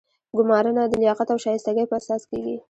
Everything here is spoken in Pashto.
ګمارنه د لیاقت او شایستګۍ په اساس کیږي.